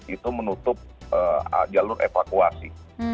itu menutup jalur evakuasi